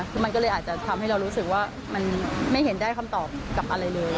คือมันก็เลยอาจจะทำให้เรารู้สึกว่ามันไม่เห็นได้คำตอบกับอะไรเลย